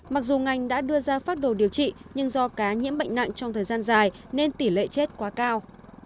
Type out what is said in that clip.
mặc dù ngành đã đưa ra phát đồ điều trị nhưng do cá nhiễm bệnh nặng trong thời gian dài nên tỷ lệ chết quá cao